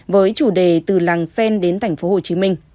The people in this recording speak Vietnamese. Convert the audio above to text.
với chủ đề từ làng sen đến tp hcm